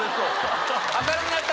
明るくなった！